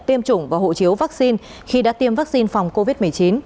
tiêm chủng và hộ chiếu vaccine khi đã tiêm vaccine phòng covid một mươi chín